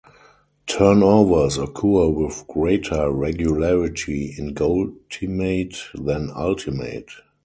Turnovers occur with greater regularity in goaltimate than ultimate.